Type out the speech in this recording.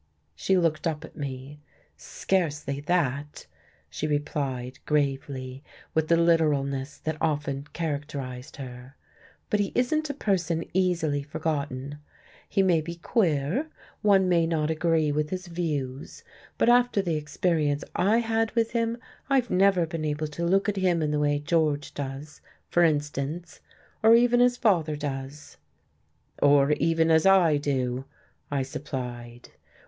She looked up at me. "Scarcely that," she replied gravely, with the literalness that often characterized her, "but he isn't a person easily forgotten. He may be queer, one may not agree with his views, but after the experience I had with him I've never been able to look at him in the way George does, for instance, or even as father does." "Or even as I do," I supplied.